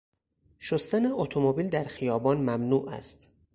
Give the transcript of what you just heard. شستن اتومبیل در خیابان ممنوع است.